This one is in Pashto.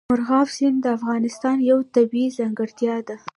مورغاب سیند د افغانستان یوه طبیعي ځانګړتیا ده.